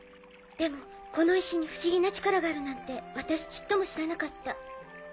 でもこの石に不思議な力があるなんて私ちっとも知らなかった。